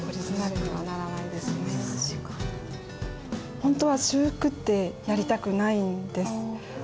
本当は修復ってやりたくないんです。